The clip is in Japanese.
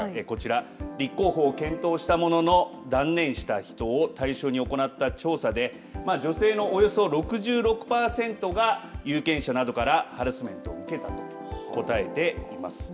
こちら、立候補を検討したものの断念した人を対象に行った調査で女性のおよそ６６パーセントが有権者などからハラスメントを受けたと答えています。